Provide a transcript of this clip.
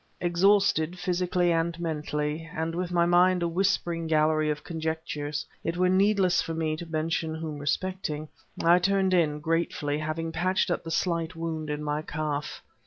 Exhausted, physically and mentally, and with my mind a whispering gallery of conjectures (it were needless for me to mention whom respecting) I turned in, gratefully, having patched up the slight wound in my calf.